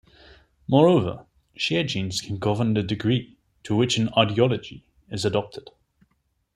Moreover, shared genes can govern the degree to which an ideology is adopted.